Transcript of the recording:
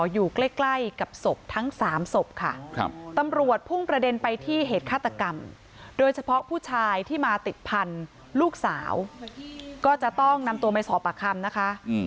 อยู่ใกล้กับศพทั้ง๓ศพค่ะตำรวจพุ่งประเด็นไปที่เหตุฆาตกรรมโดยเฉพาะผู้ชายที่มาติดพันธุ์ลูกสาวก็จะต้องนำตัวไปสอบปากคำนะคะ